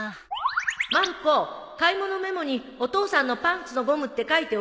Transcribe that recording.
まる子買い物メモにお父さんのパンツのゴムって書いておいて